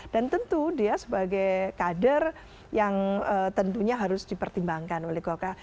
dan tentu dia sebagai kader yang tentunya harus dipertimbangkan oleh golkar